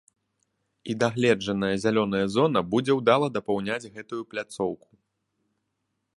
І дагледжаная зялёная зона будзе ўдала дапаўняць гэтую пляцоўку.